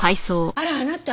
あらあなた。